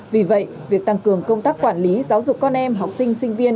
vì vậy việc tăng cường công tác quản lý giáo dục con em học sinh sinh viên